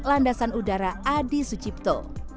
landasan udara adi sucibaga